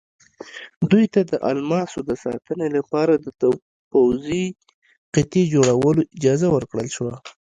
دوی ته د الماسو د ساتنې لپاره د پوځي قطعې جوړولو اجازه ورکړل شوه.